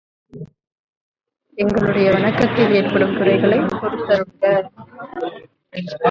எங்களுடைய வணக்கத்தில் ஏற்படும் குறைகளைப் பொறுத்து அருள்க.